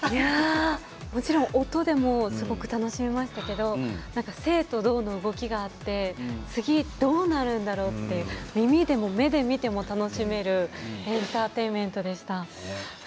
音でも楽しめましたけど静と動の動きがあって次、どうなるんだろうと耳でも目で見ても楽しめるエンターテインメントでした。